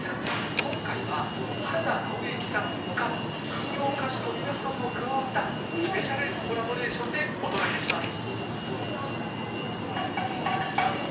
今回は原田直之さん他民謡歌手の皆さんも加わったスペシャルコラボレーションでお届けします。